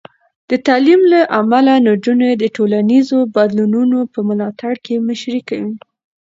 د تعلیم له امله، نجونې د ټولنیزو بدلونونو په ملاتړ کې مشري کوي.